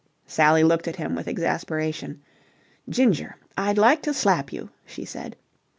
Sally looked at him with exasperation. "Ginger, I'd like to slap you," she said.